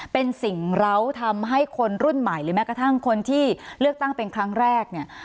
เป็นสิ่งเหล้าทำให้คนรุ่นใหม่หรือแม้กระทั่งคนที่เลือกตั้งเป็นครั้งแรกเนี่ย